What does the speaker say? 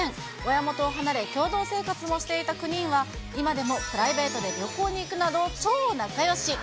親元を離れ、共同生活もしていた９人は、今でもプライベートで旅行に行くなど、超仲よし。